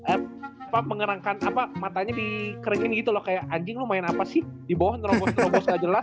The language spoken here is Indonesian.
apa pengerangkan apa matanya di kerikin gitu loh kayak anjing lo main apa sih dibawah nerobos nerobos gak jelas